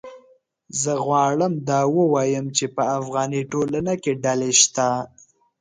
زه غواړم دا ووایم چې په افغاني ټولنه کې ډلې شته